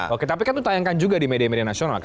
oke tapi kan itu tayangkan juga di media media nasional